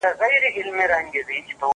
زه اوس کتاب وليکم؟!؟!